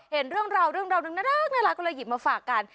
เห็นเรื่องราวเรื่องราวหนึ่งน่ารักก็เลยหยิบมาฝากกัน